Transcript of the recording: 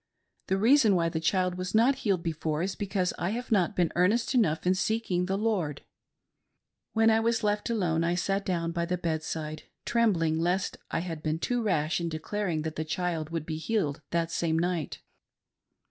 The reason why the child was not healed before is because I have not ^'been earnest enough in seeking the Lord." When I was left alone I sat down by the bedside, trembling., lest I had been too rash in declaring that the child would be MIDNIGHT PRAYER. 125 healed that same night.